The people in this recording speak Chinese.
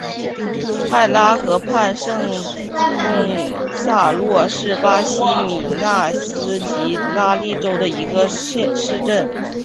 帕拉河畔圣贡萨洛是巴西米纳斯吉拉斯州的一个市镇。